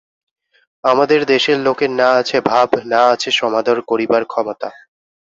আমাদের দেশের লোকের না আছে ভাব, না আছে সমাদর করিবার ক্ষমতা।